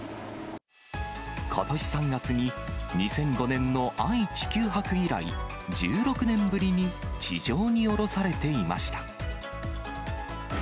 ことし３月に、２００５年の愛・地球博以来、１６年ぶりに地上に降ろされていました。